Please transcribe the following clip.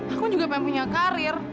aku juga pengen punya karir